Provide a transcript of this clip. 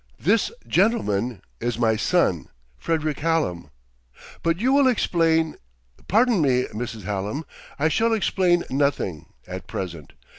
"'This gentleman' is my son, Frederick Hallam.... But you will explain " "Pardon me, Mrs. Hallam; I shall explain nothing, at present.